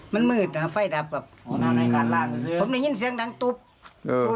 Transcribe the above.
มันมืดนะฟันธุ์ดับอ๋อนั่นแหละการล่างผมได้ยินเสียงดังตุ๊บเออ